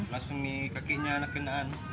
langsung kakinya kenaan